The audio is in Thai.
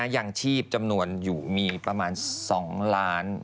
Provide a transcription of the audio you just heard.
ยังชีพจำนวนอยู่มีประมาณ๒ล้าน